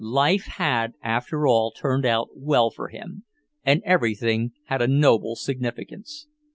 Life had after all turned out well for him, and everything had a noble significance.